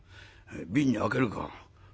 瓶にあけるか。